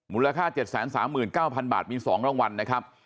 มูลค่า๗๓๙๐๐๐บาทมี๒รางวัลนะครับ